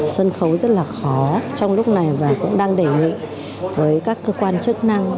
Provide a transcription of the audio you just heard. sân khấu rất là khó trong lúc này và cũng đang đề nghị với các cơ quan chức năng